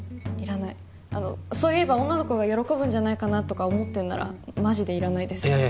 いらないそう言えば女の子が喜ぶんじゃないかなとか思ってんならマジでいらないです